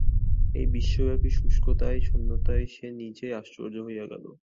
এই বিশ্বব্যাপী শুষ্কতায় শূন্যতায় সে নিজেই আশ্চর্য হইয়া গেল।